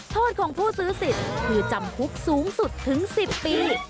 โทษของผู้ซื้อสิทธิ์คือจำคุกสูงสุดถึง๑๐ปี